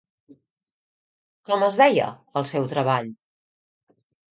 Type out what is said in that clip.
Com es deia el seu treball?